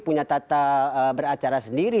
punya tata beracara sendiri